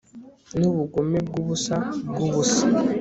Nubugome bwubusa bwubusa